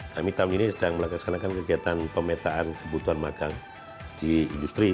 kami tahun ini sedang melaksanakan kegiatan pemetaan kebutuhan magang di industri